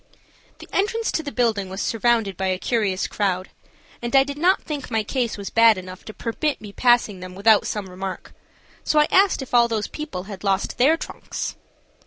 The entrance to the building was surrounded by a curious crowd and I did not think my case was bad enough to permit me passing them without some remark, so I asked if all those people had lost their trunks.